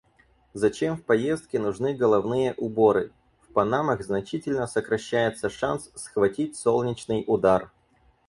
Зачем в поездке нужны головные уборы? В панамах значительно сокращается шанс схватить солнечный удар.